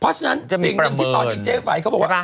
เพราะฉะนั้นสิ่งที่ตอนที่เจ๊ไฟเขาบอกว่า